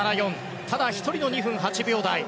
ただ１人の２分８秒台。